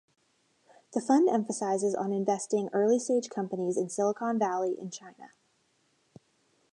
The fund emphasizes on investing early-stage companies in Silicon Valley and China.